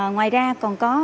ngoài ra còn có